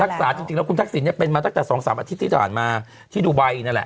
จริงแล้วคุณทักษิณเนี่ยเป็นมาตั้งแต่๒๓อาทิตย์ที่ผ่านมาที่ดูไบนั่นแหละ